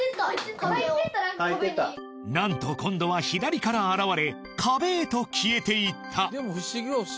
何と今度は左から現れ壁へと消えていったの中しかし